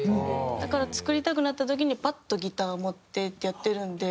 だから作りたくなった時にパッとギターを持ってってやってるんで。